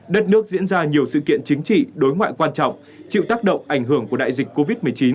đất nước diễn ra nhiều sự kiện chính trị đối ngoại quan trọng chịu tác động ảnh hưởng của đại dịch covid một mươi chín